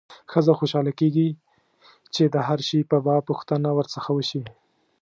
ښځه خوشاله کېږي چې د هر شي په باب پوښتنه ورڅخه وشي.